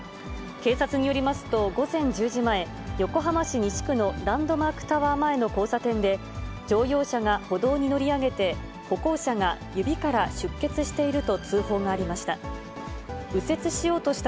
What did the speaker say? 警察によりますと、午前１０時前、横浜市西区のランドマークタワー前の交差点で、乗用車が歩道に乗り上げて、歩行者が指から出血していると通報がありました。